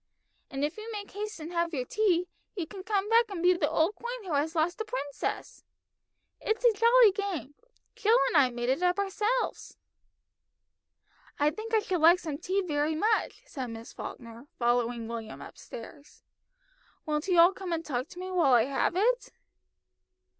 And if you make haste and have your tea, you can come back and be the old queen who has lost the princess. It's a jolly game. Jill and I made it up ourselves." "I think I should like some tea very much," said Miss Falkner, following William up stairs. "Won't you all come and talk to me while I have it?"